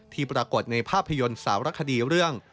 ที่ปรากฏในภาพยนตร์สาวรักษณีย์เรื่อง